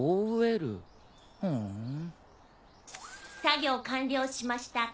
作業完了しました。